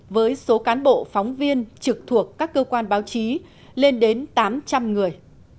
với số cán bộ phóng viên trực thuộc các cơ quan báo chí lên đến tám trăm linh người